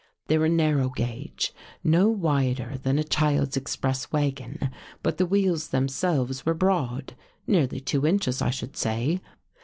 They were narrow gauge, no wider than a child's express wagon, but the wheels themselves were broad, nearly two inches, I should say.